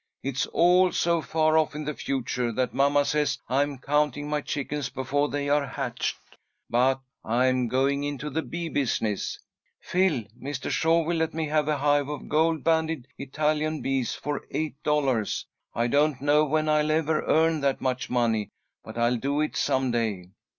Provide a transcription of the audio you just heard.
"It's all so far off in the future that mamma says I'm counting my chickens before they are hatched, but I'm going into the bee business, Phil. Mr. Shaw will let me have a hive of gold banded Italian bees for eight dollars. I don't know when I'll ever earn that much money, but I'll do it some day.